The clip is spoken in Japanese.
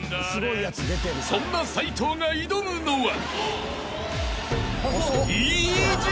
［そんな斉藤が挑むのは］